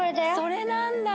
それなんだ。